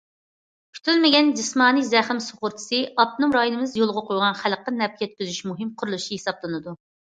كۈتۈلمىگەن جىسمانىي زەخىم سۇغۇرتىسى ئاپتونوم رايونىمىز يولغا قويغان خەلققە نەپ يەتكۈزۈش مۇھىم قۇرۇلۇشى ھېسابلىنىدۇ.